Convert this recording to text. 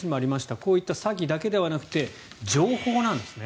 こういった詐欺だけではなくて情報なんですね。